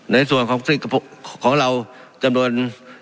ในส่วนของของเราจำนวน